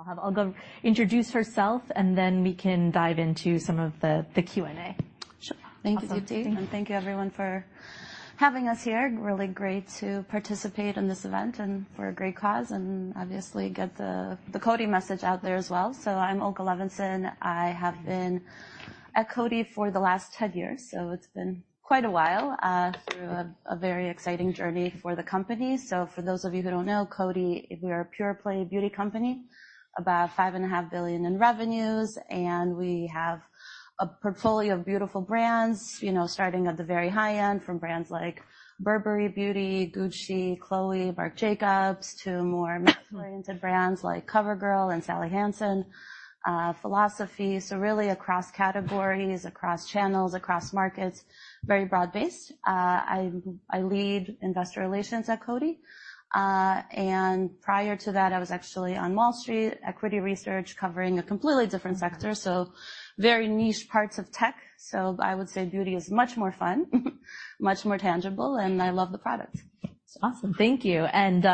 I'll have Olga introduce herself, and then we can dive into some of the Q&A. Sure. Thank you, and thank you everyone, for having us here. Really great to participate in this event and for a great cause, and obviously get the Coty message out there as well. So I'm Olga Levinzon. I have been at Coty for the last 10 years, so it's been quite a while, through a very exciting journey for the company. So for those of you who don't know Coty, we are a pure-play beauty company, about $5.5 billion in revenues, and we have a portfolio of beautiful brands. You know, starting at the very high end from brands like Burberry Beauty, Gucci, Chloé, Marc Jacobs, to more mass-oriented brands like CoverGirl and Sally Hansen, Philosophy. So really across categories, across channels, across markets, very broad-based. I lead investor relations at Coty, and prior to that, I was actually on Wall Street, equity research, covering a completely different sector, so very niche parts of tech. So I would say beauty is much more fun, much more tangible, and I love the products. It's awesome. Thank you, and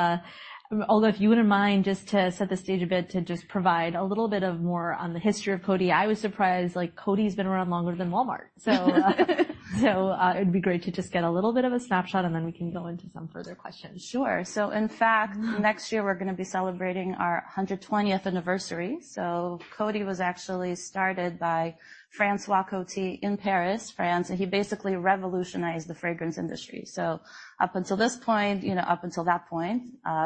Olga, if you wouldn't mind, just to set the stage a bit, to just provide a little bit more on the history of Coty. I was surprised, like, Coty's been around longer than Walmart. So, it'd be great to just get a little bit of a snapshot, and then we can go into some further questions. Sure. So in fact, next year, we're gonna be celebrating our 120th anniversary. So Coty was actually started by François Coty in Paris, France, and he basically revolutionized the fragrance industry. So up until this point, you know, up until that point,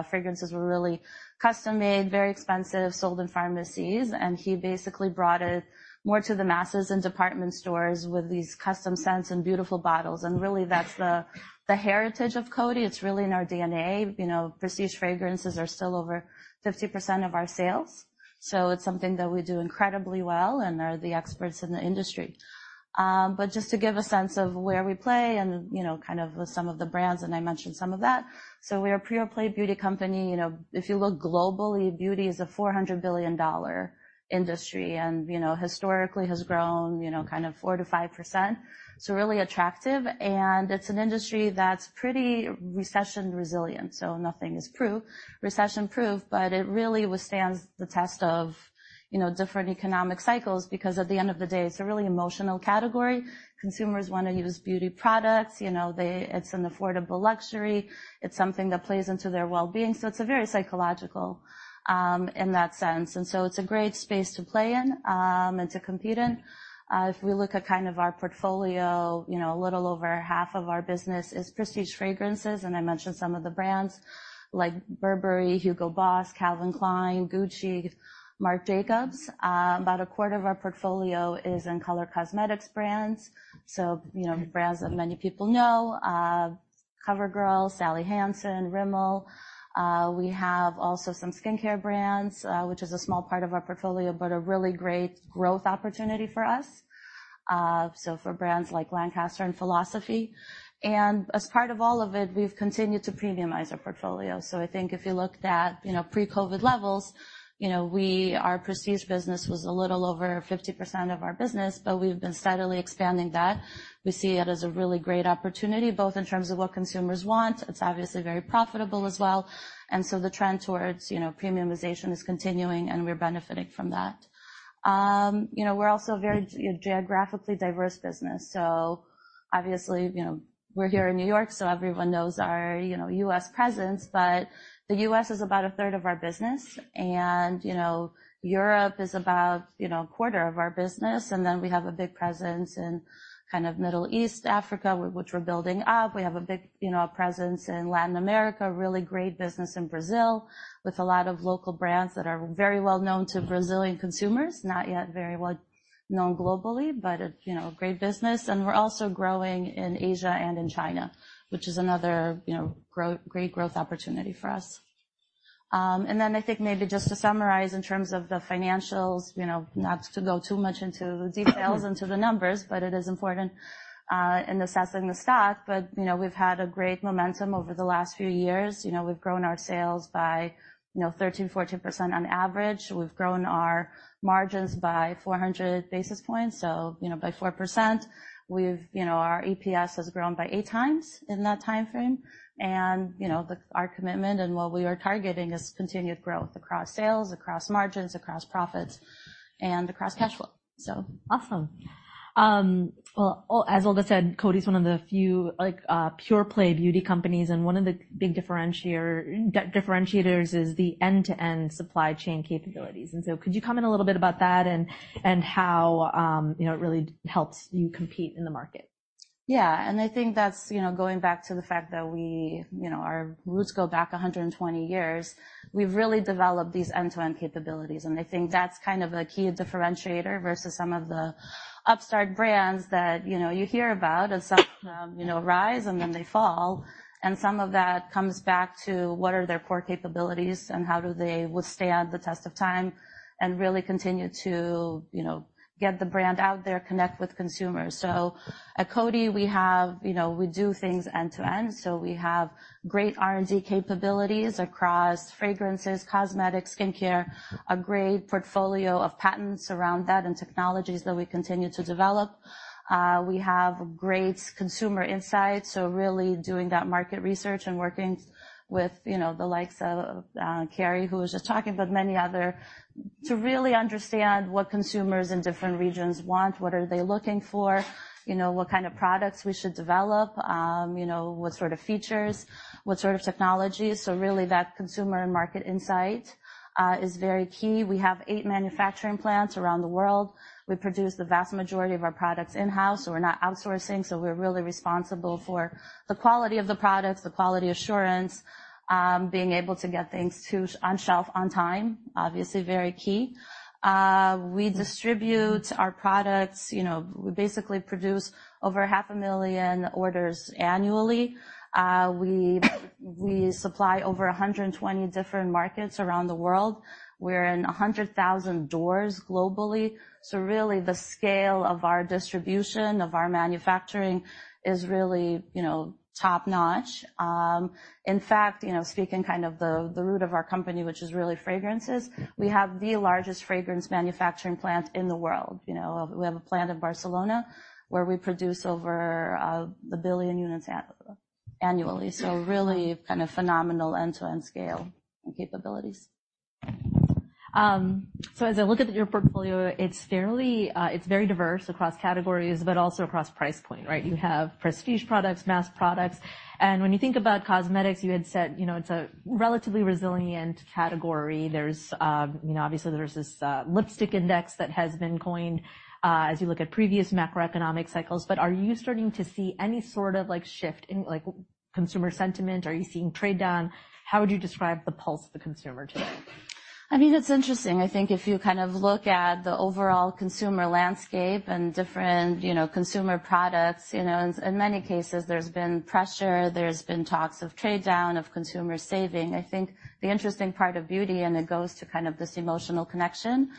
fragrances were really custom-made, very expensive, sold in pharmacies, and he basically brought it more to the masses in department stores with these custom scents and beautiful bottles. And really, that's the heritage of Coty. It's really in our DNA. You know, prestige fragrances are still over 50% of our sales, so it's something that we do incredibly well and are the experts in the industry. But just to give a sense of where we play and, you know, kind of some of the brands, and I mentioned some of that. So we are a pure-play beauty company. You know, if you look globally, beauty is a $400 billion industry and, you know, historically has grown, you know, kind of 4%-5%, so really attractive. It's an industry that's pretty recession resilient. Nothing is recession-proof, but it really withstands the test of, you know, different economic cycles because at the end of the day, it's a really emotional category. Consumers want to use beauty products, you know. It's an affordable luxury. It's something that plays into their well-being, so it's a very psychological in that sense. And so it's a great space to play in and to compete in. If we look at kind of our portfolio, you know, a little over half of our business is prestige fragrances, and I mentioned some of the brands like Burberry, Hugo Boss, Calvin Klein, Gucci, Marc Jacobs. About a quarter of our portfolio is in color cosmetics brands. So, you know, brands that many people know, CoverGirl, Sally Hansen, Rimmel. We have also some skincare brands, which is a small part of our portfolio, but a really great growth opportunity for us, so for brands like Lancaster and Philosophy, and as part of all of it, we've continued to premiumize our portfolio. So I think if you looked at, you know, pre-COVID levels, you know, we, our prestige business was a little over 50% of our business, but we've been steadily expanding that. We see it as a really great opportunity, both in terms of what consumers want. It's obviously very profitable as well, and so the trend towards, you know, premiumization is continuing, and we're benefiting from that. You know, we're also a very geographically diverse business. Obviously, you know, we're here in New York, so everyone knows our, you know, U.S. presence, but the U.S. is about a third of our business, and you know, Europe is about, you know, a quarter of our business, and then we have a big presence in kind of Middle East, Africa, which we're building up. We have a big, you know, presence in Latin America. Really great business in Brazil with a lot of local brands that are very well known to Brazilian consumers. Not yet very well known globally, but, you know, great business. We're also growing in Asia and in China, which is another, you know, great growth opportunity for us. And then I think maybe just to summarize in terms of the financials, you know, not to go too much into the details, into the numbers, but it is important in assessing the stock. But, you know, we've had a great momentum over the last few years. You know, we've grown our sales by, you know, 13%-14% on average. We've grown our margins by 400 basis points, so, you know, by 4%. We've, you know, our EPS has grown by 8 times in that timeframe, and, you know, our commitment and what we are targeting is continued growth across sales, across margins, across profits, and across cash flow, so. Awesome. Well, as Olga said, Coty is one of the few, like, pure-play beauty companies, and one of the big differentiator, differentiators is the end-to-end supply chain capabilities. So could you comment a little bit about that and how, you know, it really helps you compete in the market? Yeah, and I think that's, you know, going back to the fact that we, you know, our roots go back 120 years. We've really developed these end-to-end capabilities, and I think that's kind of a key differentiator versus some of the upstart brands that, you know, you hear about, and some of them, you know, rise, and then they fall. And some of that comes back to what are their core capabilities and how do they withstand the test of time and really continue to, you know, get the brand out there, connect with consumers. So at Coty, we have, you know, we do things end to end. So we have great R&D capabilities across fragrances, cosmetics, skincare, a great portfolio of patents around that, and technologies that we continue to develop. We have great consumer insight, so really doing that market research and working with, you know, the likes of Carrie, who was just talking, but many other to really understand what consumers in different regions want, what are they looking for, you know, what kind of products we should develop, you know, what sort of features, what sort of technologies. So really, that consumer and market insight is very key. We have eight manufacturing plants around the world. We produce the vast majority of our products in-house, so we're not outsourcing, so we're really responsible for the quality of the products, the quality assurance, being able to get things to on shelf on time, obviously very key. We distribute our products, you know, we basically produce over 500,000 orders annually. We supply over 120 different markets around the world. We're in 100,000 doors globally. So really, the scale of our distribution, of our manufacturing is really, you know, top-notch. In fact, you know, speaking kind of the root of our company, which is really fragrances, we have the largest fragrance manufacturing plant in the world. You know, we have a plant in Barcelona, where we produce over 1 billion units annually. So really kind of phenomenal end-to-end scale and capabilities. So as I look at your portfolio, it's fairly, it's very diverse across categories, but also across price point, right? You have prestige products, mass products, and when you think about cosmetics, you had said, you know, it's a relatively resilient category. There's, you know, obviously there's this, Lipstick Index that has been coined, as you look at previous macroeconomic cycles. But are you starting to see any sort of, like, shift in, like, consumer sentiment? Are you seeing trade down? How would you describe the pulse of the consumer today? I mean, it's interesting. I think if you kind of look at the overall consumer landscape and different, you know, consumer products, you know, in many cases, there's been pressure, there's been talks of trade down, of consumer saving. I think the interesting part of beauty, and it goes to kind of this emotional connection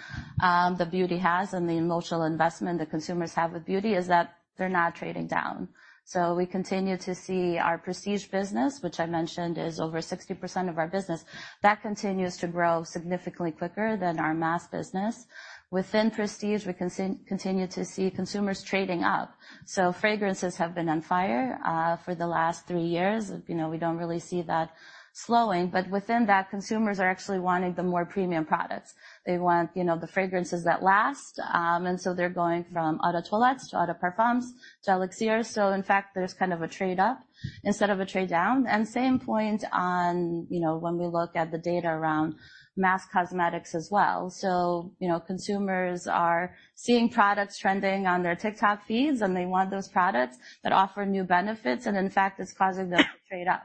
that beauty has, and the emotional investment that consumers have with beauty, is that they're not trading down. So we continue to see our prestige business, which I mentioned is over 60% of our business. That continues to grow significantly quicker than our mass business. Within prestige, we continue to see consumers trading up, so fragrances have been on fire for the last 3 years. You know, we don't really see that slowing, but within that, consumers are actually wanting the more premium products. They want, you know, the fragrances that last, and so they're going from eau de toilette to eau de parfum, to elixirs. So in fact, there's kind of a trade up instead of a trade down. And same point on, you know, when we look at the data around mass cosmetics as well. So, you know, consumers are seeing products trending on their TikTok feeds, and they want those products that offer new benefits, and in fact, it's causing them to trade up.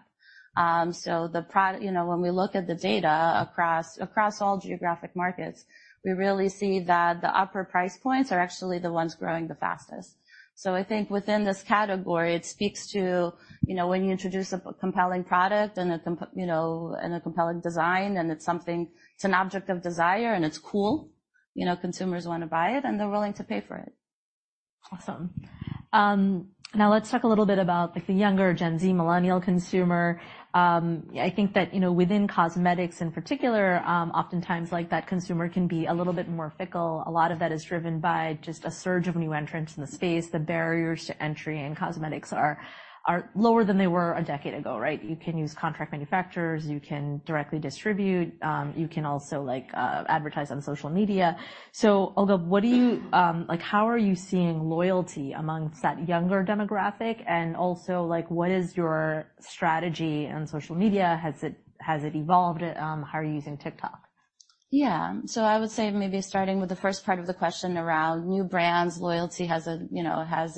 You know, when we look at the data across, across all geographic markets, we really see that the upper price points are actually the ones growing the fastest. So I think within this category, it speaks to, you know, when you introduce a compelling product and a comp... You know, and a compelling design, and it's something, it's an object of desire, and it's cool, you know, consumers want to buy it, and they're willing to pay for it. Awesome. Now let's talk a little bit about the younger Gen Z, millennial consumer. I think that, you know, within cosmetics in particular, oftentimes, like, that consumer can be a little bit more fickle. A lot of that is driven by just a surge of new entrants in the space. The barriers to entry in cosmetics are lower than they were a decade ago, right? You can use contract manufacturers, you can directly distribute, you can also, like, advertise on social media. So Olga, what do you, like, how are you seeing loyalty amongst that younger demographic? And also, like, what is your strategy on social media? Has it evolved? How are you using TikTok? Yeah. So I would say maybe starting with the first part of the question around new brands, loyalty has a, you know, has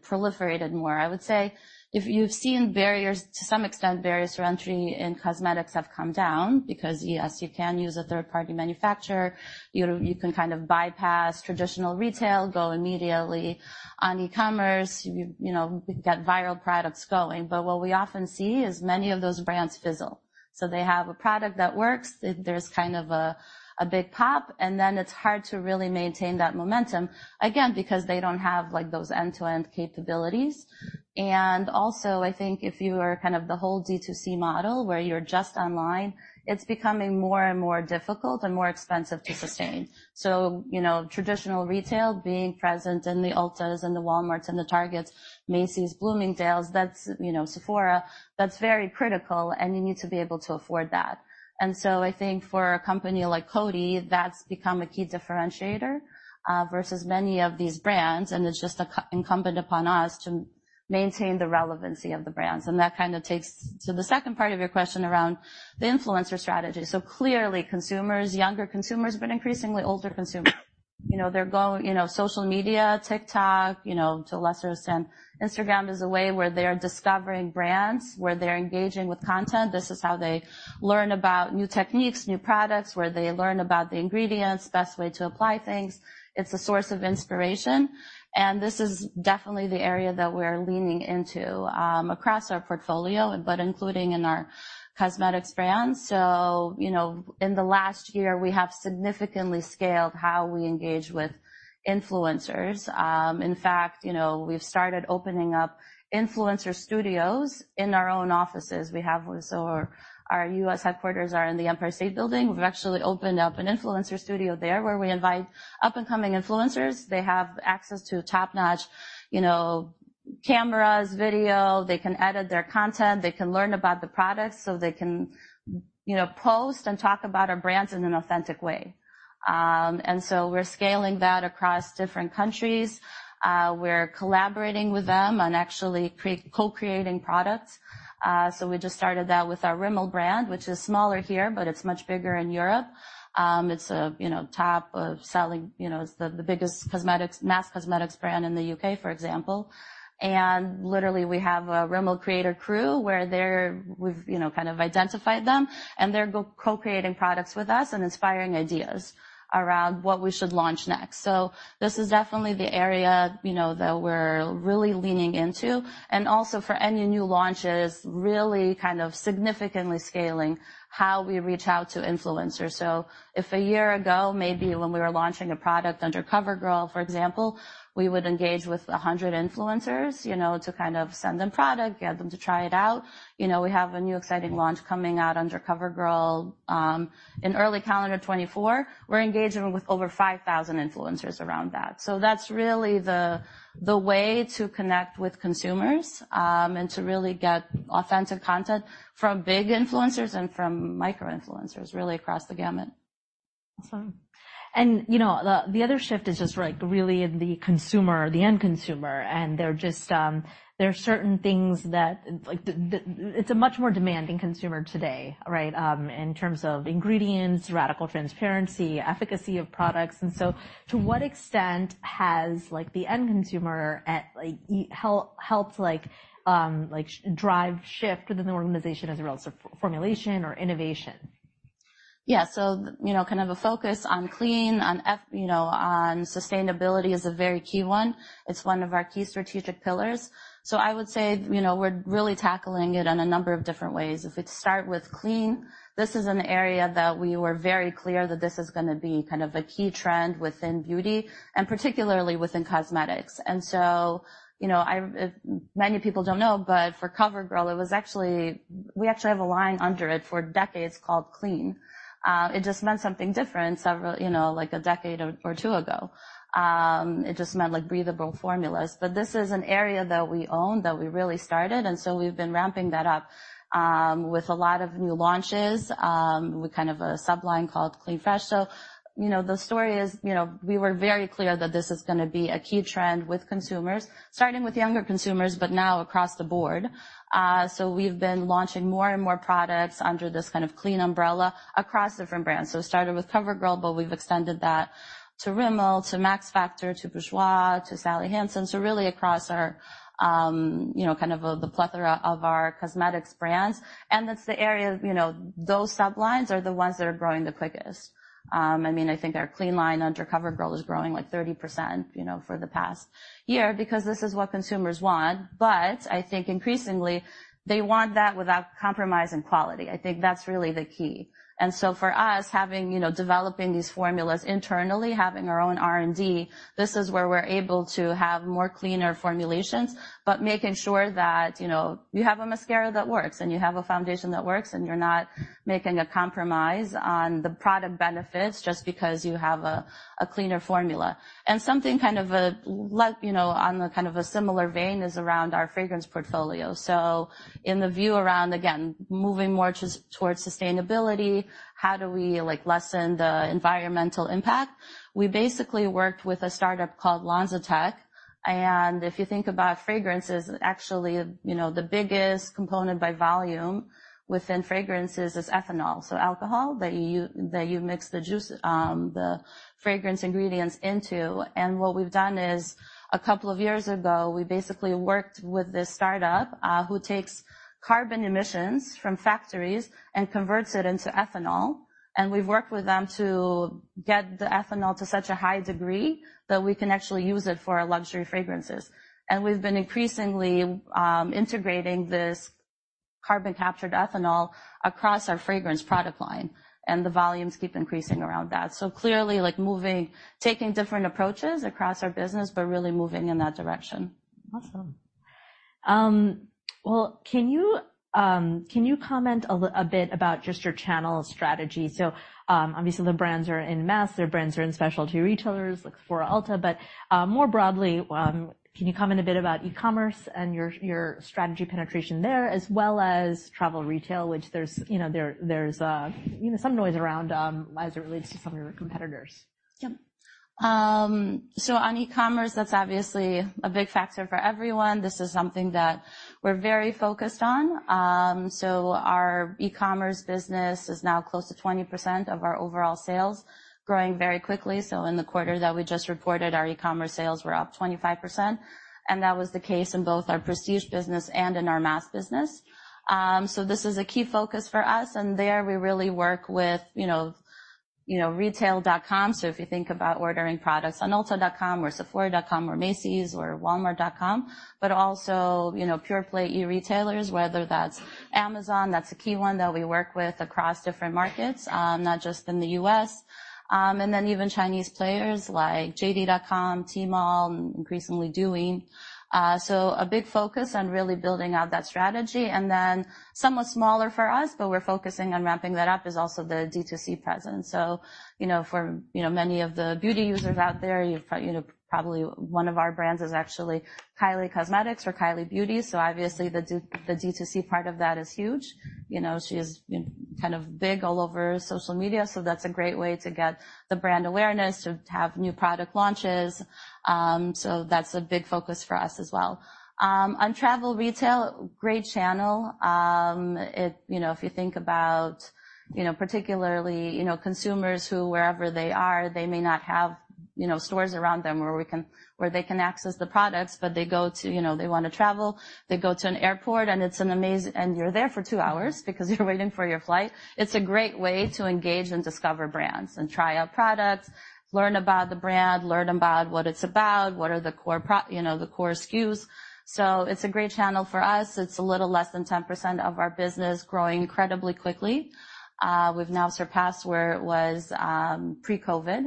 proliferated more. I would say if you've seen barriers, to some extent, barriers to entry in cosmetics have come down because, yes, you can use a third-party manufacturer, you can kind of bypass traditional retail, go immediately on e-commerce, you know, get viral products going. But what we often see is many of those brands fizzle. So they have a product that works, there's kind of a big pop, and then it's hard to really maintain that momentum, again, because they don't have, like, those end-to-end capabilities. And also, I think if you are kind of the whole D2C model, where you're just online, it's becoming more and more difficult and more expensive to sustain. So, you know, traditional retail, being present in the Ultas and the Walmarts and the Targets, Macy's, Bloomingdale's, that's, you know, Sephora, that's very critical, and you need to be able to afford that. And so I think for a company like Coty, that's become a key differentiator versus many of these brands, and it's just incumbent upon us to maintain the relevancy of the brands. And that kind of takes to the second part of your question around the influencer strategy. So clearly, consumers, younger consumers, but increasingly older consumers, you know, they're going, you know, social media, TikTok, you know, to a lesser extent, Instagram is a way where they are discovering brands, where they're engaging with content. This is how they learn about new techniques, new products, where they learn about the ingredients, best way to apply things. It's a source of inspiration, and this is definitely the area that we're leaning into, across our portfolio, but including in our cosmetics brands. So, you know, in the last year, we have significantly scaled how we engage with influencers. In fact, you know, we've started opening up influencer studios in our own offices. So our U.S. headquarters are in the Empire State Building. We've actually opened up an influencer studio there, where we invite up-and-coming influencers. They have access to top-notch cameras, video, they can edit their content, they can learn about the products, so they can, you know, post and talk about our brands in an authentic way. And so we're scaling that across different countries. We're collaborating with them on actually co-creating products. So we just started that with our Rimmel brand, which is smaller here, but it's much bigger in Europe. It's a, you know, top of selling, you know, it's the, the biggest cosmetics, mass cosmetics brand in the UK, for example. And literally, we have a Rimmel Creator Crew, where we've, you know, kind of identified them, and they're co-creating products with us and inspiring ideas around what we should launch next. So this is definitely the area, you know, that we're really leaning into, and also for any new launches, really kind of significantly scaling how we reach out to influencers. So if a year ago, maybe when we were launching a product under CoverGirl, for example, we would engage with 100 influencers, you know, to kind of send them product, get them to try it out. You know, we have a new exciting launch coming out under CoverGirl, in early calendar 2024. We're engaging with over 5,000 influencers around that. So that's really the way to connect with consumers, and to really get authentic content from big influencers and from micro influencers, really across the gamut. Awesome. And, you know, the other shift is just, like, really in the consumer, the end consumer. And there are certain things that, like, it's a much more demanding consumer today, right? In terms of ingredients, radical transparency, efficacy of products, and so to what extent has, like, the end consumer, like, helped, like, drive the shift within the organization as it relates to formulation or innovation? Yeah, so, you know, kind of a focus on clean, on you know, on sustainability is a very key one. It's one of our key strategic pillars. So I would say, you know, we're really tackling it in a number of different ways. If I start with clean, this is an area that we were very clear that this is gonna be kind of a key trend within beauty, and particularly within cosmetics. And so, you know, I, many people don't know, but for CoverGirl, it was actually... We actually have a line under it for decades called Clean. It just meant something different several, you know, like a decade or, or two ago. It just meant, like, breathable formulas. But this is an area that we own, that we really started, and so we've been ramping that up, with a lot of new launches, with kind of a sub-line called Clean Fresh. So, you know, the story is, you know, we were very clear that this is gonna be a key trend with consumers, starting with younger consumers, but now across the board. So we've been launching more and more products under this kind of clean umbrella across different brands. So it started with CoverGirl, but we've extended that to Rimmel, to Max Factor, to Bourjois, to Sally Hansen. So really across our, you know, kind of a, the plethora of our cosmetics brands, and that's the area, you know, those sub-lines are the ones that are growing the quickest. I mean, I think our clean line under CoverGirl is growing, like, 30%, you know, for the past year, because this is what consumers want. But I think increasingly, they want that without compromising quality. I think that's really the key. And so for us, having, you know, developing these formulas internally, having our own R&D, this is where we're able to have more cleaner formulations, but making sure that, you know, you have a mascara that works, and you have a foundation that works, and you're not making a compromise on the product benefits just because you have a cleaner formula. And something kind of like, you know, on a kind of similar vein, is around our fragrance portfolio. So in the view around, again, moving more towards sustainability, how do we, like, lessen the environmental impact? We basically worked with a startup called LanzaTech, and if you think about fragrances, actually, you know, the biggest component by volume within fragrances is ethanol. So alcohol that you mix the juice, the fragrance ingredients into. And what we've done is, a couple of years ago, we basically worked with this startup, who takes carbon emissions from factories and converts it into ethanol, and we've worked with them to get the ethanol to such a high degree that we can actually use it for our luxury fragrances. And we've been increasingly integrating this carbon-captured ethanol across our fragrance product line, and the volumes keep increasing around that. So clearly, like moving, taking different approaches across our business, but really moving in that direction. Awesome. Well, can you, can you comment a bit about just your channel strategy? So, obviously, the brands are in mass, their brands are in specialty retailers, like Sephora, Ulta, but, more broadly, can you comment a bit about e-commerce and your, your strategy penetration there, as well as travel retail, which there's, you know, there, there's, you know, some noise around, as it relates to some of your competitors? Yep. So on e-commerce, that's obviously a big factor for everyone. This is something that we're very focused on. So our e-commerce business is now close to 20% of our overall sales, growing very quickly. So in the quarter that we just reported, our e-commerce sales were up 25%, and that was the case in both our prestige business and in our mass business. So this is a key focus for us, and there, we really work with, you know, retail.com. So if you think about ordering products on Ulta.com or Sephora.com or Macy's or Walmart.com, but also, you know, pure play e-retailers, whether that's Amazon, that's a key one that we work with across different markets, not just in the US. And then even Chinese players like JD.com, Tmall, increasingly doing. So a big focus on really building out that strategy. Then somewhat smaller for us, but we're focusing on ramping that up, is also the D2C presence. So, you know, for, you know, many of the beauty users out there, you probably, you know, probably one of our brands is actually Kylie Cosmetics or Kylie Beauty. So obviously, the D2C part of that is huge. You know, she is kind of big all over social media, so that's a great way to get the brand awareness, to have new product launches. On Travel Retail, great channel. You know, if you think about, you know, particularly, you know, consumers who, wherever they are, they may not have, you know, stores around them where they can access the products, but they go to, you know, they want to travel, they go to an airport, and it's an amazing... You're there for two hours because you're waiting for your flight. It's a great way to engage and discover brands and try out products, learn about the brand, learn about what it's about, what are the core SKUs. So it's a great channel for us. It's a little less than 10% of our business, growing incredibly quickly. We've now surpassed where it was pre-COVID,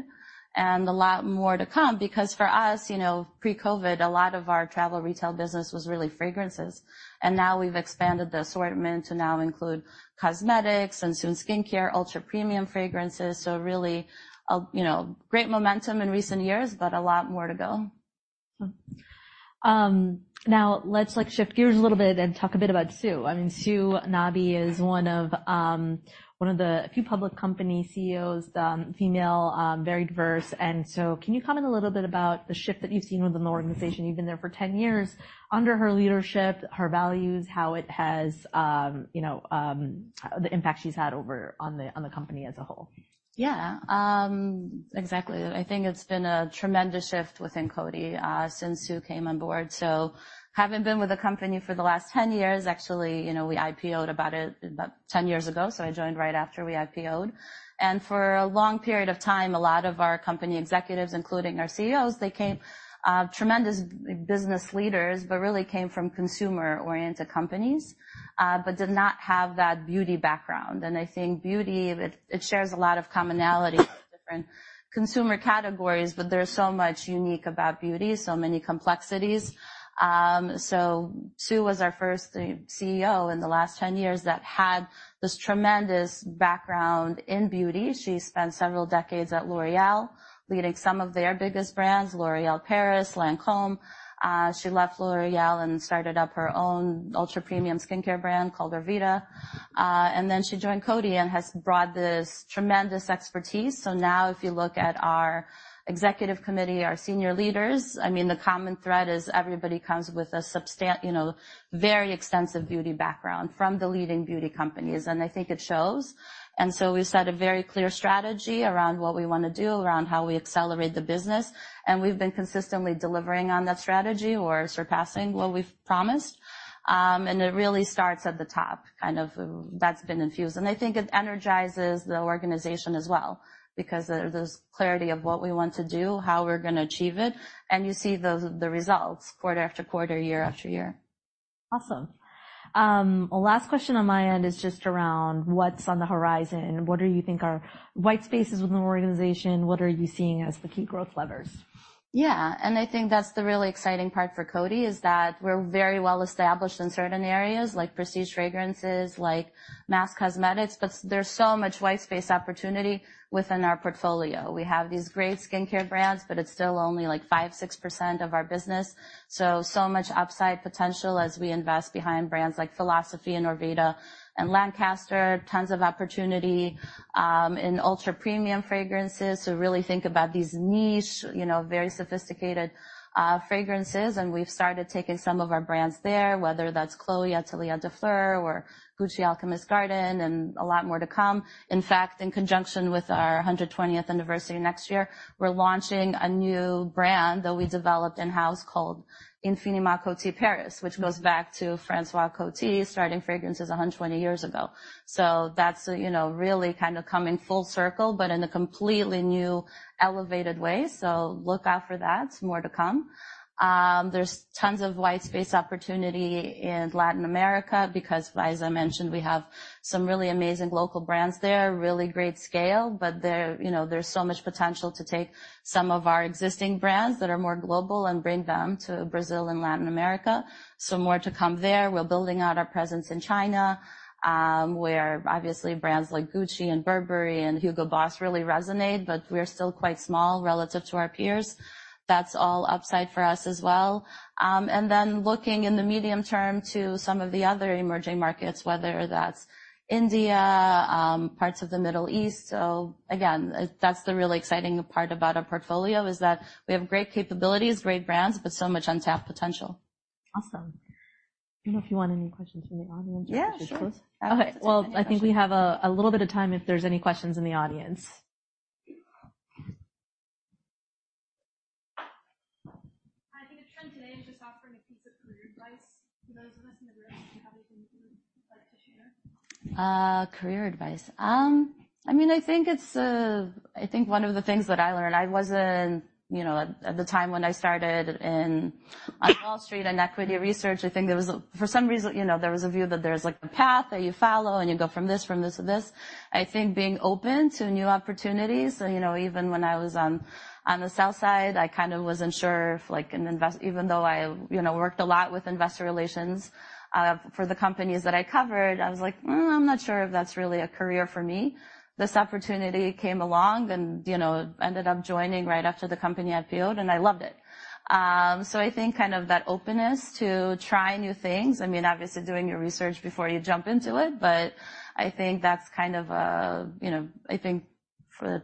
and a lot more to come, because for us, you know, pre-COVID, a lot of our travel retail business was really fragrances. Now we've expanded the assortment to now include cosmetics and soon skincare, ultra-premium fragrances. So really, you know, great momentum in recent years, but a lot more to go. Now let's, like, shift gears a little bit and talk a bit about Sue. I mean, Sue Nabi is one of, one of the few public company CEOs, female, very diverse. And so can you comment a little bit about the shift that you've seen within the organization? You've been there for 10 years. Under her leadership, her values, how it has, you know, the impact she's had over on the, on the company as a whole. Yeah, exactly. I think it's been a tremendous shift within Coty since Sue came on board. Having been with the company for the last 10 years, actually, you know, we IPO'd about 10 years ago, so I joined right after we IPO'd. For a long period of time, a lot of our company executives, including our CEOs, they came tremendous business leaders, but really came from consumer-oriented companies, but did not have that beauty background. I think beauty, it shares a lot of commonalities with different consumer categories, but there's so much unique about beauty, so many complexities. So Sue was our first CEO in the last 10 years that had this tremendous background in beauty. She spent several decades at L'Oréal, leading some of their biggest brands, L'Oréal Paris, Lancôme. She left L'Oréal and started up her own ultra-premium skincare brand called Orveda. And then she joined Coty and has brought this tremendous expertise. So now, if you look at our executive committee, our senior leaders, I mean, the common thread is everybody comes with a you know, very extensive beauty background from the leading beauty companies, and I think it shows. And so we've set a very clear strategy around what we want to do, around how we accelerate the business, and we've been consistently delivering on that strategy or surpassing what we've promised. And it really starts at the top, kind of that's been infused. And I think it energizes the organization as well, because there's clarity of what we want to do, how we're going to achieve it, and you see those, the results quarter after quarter, year after year. Awesome. Last question on my end is just around what's on the horizon. What do you think are white spaces within the organization? What are you seeing as the key growth levers? Yeah, and I think that's the really exciting part for Coty, is that we're very well established in certain areas, like prestige fragrances, like mass cosmetics, but there's so much white space opportunity within our portfolio. We have these great skincare brands, but it's still only, like, 5%-6% of our business. So, so much upside potential as we invest behind brands like Philosophy and Orveda and Lancaster. Tons of opportunity in ultra-premium fragrances to really think about these niche, you know, very sophisticated fragrances. And we've started taking some of our brands there, whether that's Chloé, Atelier des Fleurs or Gucci Alchemist's Garden, and a lot more to come. In fact, in conjunction with our 120th anniversary next year, we're launching a new brand that we developed in-house called Infiniment Coty Paris, which goes back to François Coty, starting fragrances 120 years ago. So that's, you know, really kind of coming full circle, but in a completely new, elevated way. So look out for that. More to come. There's tons of white space opportunity in Latin America, because, as I mentioned, we have some really amazing local brands there, really great scale, but there, you know, there's so much potential to take some of our existing brands that are more global and bring them to Brazil and Latin America. So more to come there. We're building out our presence in China, where obviously brands like Gucci and Burberry and Hugo Boss really resonate, but we're still quite small relative to our peers. That's all upside for us as well. And then looking in the medium term to some of the other emerging markets, whether that's India, parts of the Middle East. So again, that's the really exciting part about our portfolio, is that we have great capabilities, great brands, but so much untapped potential. Awesome. I don't know if you want any questions from the audience? Yeah, sure. Okay, well, I think we have a little bit of time if there's any questions in the audience. I think a trend today is just offering a piece of career advice to those of us in the room. How they can, like to share? Career advice. I mean, I think it's, I think one of the things that I learned, I wasn't, you know, at, at the time when I started in, on Wall Street and equity research, I think there was... For some reason, you know, there was a view that there's, like, a path that you follow and you go from this, from this to this. I think being open to new opportunities, you know, even when I was on, on the sell side, I kind of wasn't sure if, like, even though I, you know, worked a lot with investor relations, for the companies that I covered, I was like, "I'm not sure if that's really a career for me." This opportunity came along and, you know, ended up joining right after the company IPO'd, and I loved it. So, I think kind of that openness to try new things, I mean, obviously doing your research before you jump into it, but I think that's kind of a, you know, I think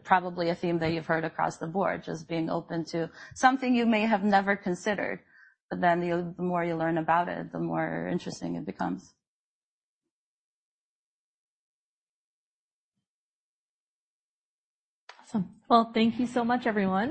probably a theme that you've heard across the board, just being open to something you may have never considered, but then the more you learn about it, the more interesting it becomes. Awesome. Well, thank you so much, everyone.